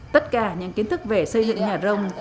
tất cả những kiến thức về xây dựng nhà rồng